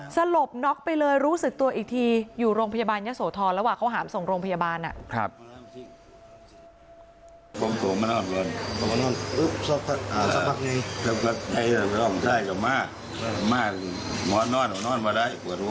สลบน็อกไปเลยรู้สึกตัวอีกทีอยู่โรงพยาบาลยะโสธรระหว่างเขาหามส่งโรงพยาบาล